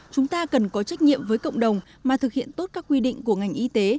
chúng ta cần có trách nhiệm với cộng đồng mà thực hiện tốt các quy định của ngành y tế